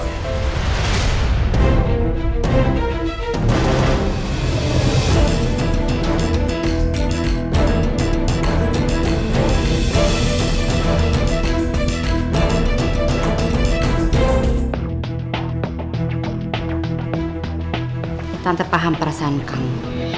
kita tak paham perasaan kamu